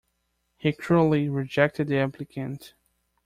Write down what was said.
He cruelly rejected the applicant.